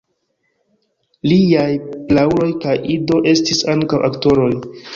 Liaj prauloj kaj ido estis ankaŭ aktoroj.